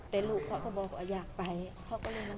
แต่ลูกเขาก็บอกว่าอยากไปเขาก็เลยมา